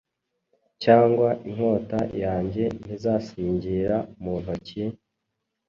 Cyangwa inkota yanjye ntizasinzira mu ntoki,